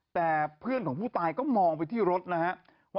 แต่เพื่อนของผู้ตายก็มองไปที่รถนะครับ